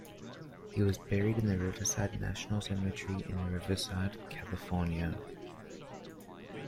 He was buried in the Riverside National Cemetery in Riverside, California.